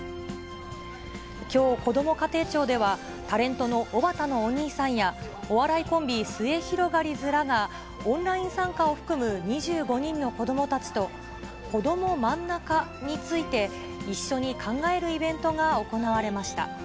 きょう、こども家庭庁では、タレントのおばたのお兄さんや、お笑いコンビ、すゑひろがりずらがオンライン参加を含む２５人の子どもたちと、こどもまんなかについて一緒に考えるイベントが行われました。